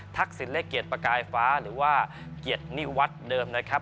สินเลขเกียรติประกายฟ้าหรือว่าเกียรตินิวัฒน์เดิมนะครับ